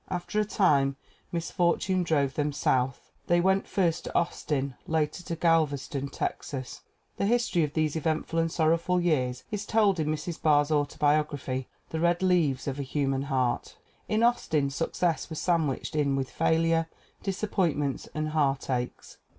After a time misfortune drove them South. They went first to Austin, later to Galveston, Texas. The history of these eventful and sorrowful years is told in Mrs. Barr's autobiog raphy, The Red Leaves of a Human Heart. In Austin success was sandwiched in with failure, disappointments and heartaches.